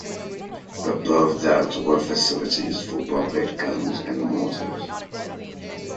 Above that were facilities for barbette guns and mortars.